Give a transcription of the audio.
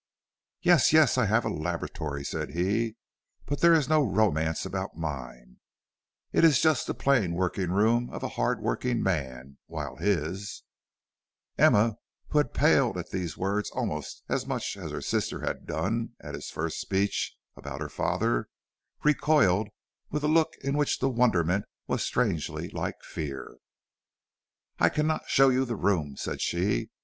"Yes, yes, I have a laboratory," said he; "but there is no romance about mine; it is just the plain working room of a hard working man, while his " Emma, who had paled at these words almost as much as her sister had done at his first speech about her father, recoiled with a look in which the wonderment was strangely like fear. "I cannot show you the room," said she.